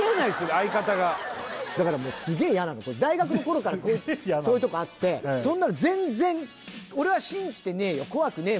相方がだからすげえ嫌なの大学の頃からそういうとこあってそんなの全然俺は信じてねえよ怖くねえ